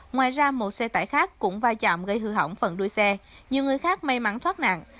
ngoài ra một xe tải khác cũng va chạm gây hư hỏng phần đuôi xe nhiều người khác may mắn thoát nạn